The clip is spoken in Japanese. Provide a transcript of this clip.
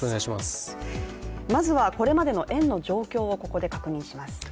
まずはこれまでの円の状況をここで確認します。